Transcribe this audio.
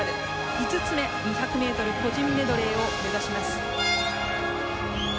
５つ目、２００ｍ個人メドレーを目指します。